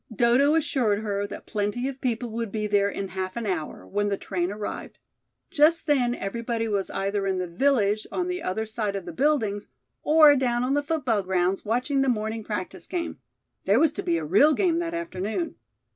Dodo assured her that plenty of people would be there in half an hour, when the train arrived; just then everybody was either in the village on the other side of the buildings, or down on the football grounds watching the morning practice game. There was to be a real game that afternoon.